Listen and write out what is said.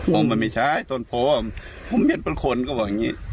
ว่ามันไม่ใช่ต้นโพผมเห็นเป็นคนก็บอกอย่างนี้